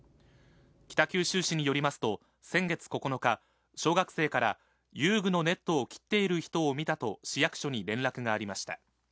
北九州市によりますと、先月９日、小学生から、遊具のネットを切っている人を見たと市役所に連絡がありました。